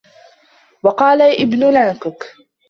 وَقَالَ ابْنُ لَنْكَكَ